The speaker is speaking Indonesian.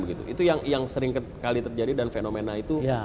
itu yang sering kali terjadi dan fenomena itu